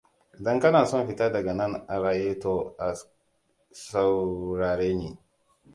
Idan kana son fita daga nan a raye to ka saurare ni.